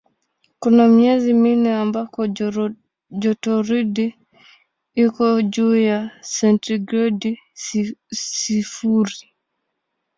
Kuna miezi minne ambako jotoridi iko juu ya sentigredi sifuri.